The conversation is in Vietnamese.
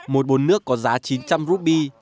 một bồn nước có giá chín trăm linh rupi